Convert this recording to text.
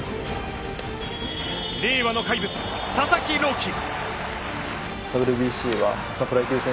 令和の怪物、佐々木朗希。